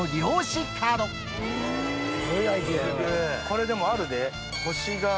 これでもあるで星が。